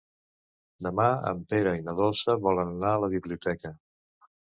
Demà en Pere i na Dolça volen anar a la biblioteca.